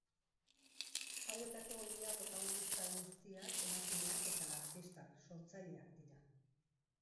Hauetako ia protagonista guztiak emakumeak eta artistak, sortzaileak dira.